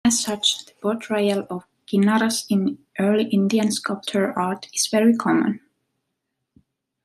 As such, the portrayal of Kinnaras in early Indian sculpture art is very common.